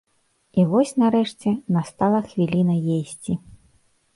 І вось, нарэшце, настала хвіліна есці.